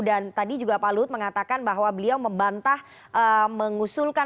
dan tadi juga pak luhut mengatakan bahwa beliau membantah mengusulkan